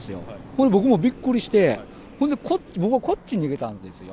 ほんで僕もびっくりして、ほんで、僕はこっちに逃げたんですよ。